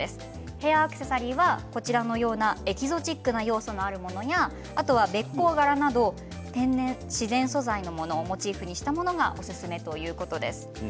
ヘアアクセサリーはエキゾチックな要素のあるものやべっ甲柄など天然自然素材のものをモチーフにしたものがおすすめということです。